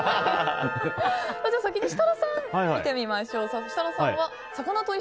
先に設楽さん、見てみましょう。